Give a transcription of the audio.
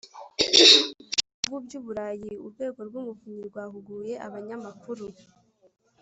Bw ibihugu by uburayi urwego rw umuvunyi rwahuguye abanyamakuru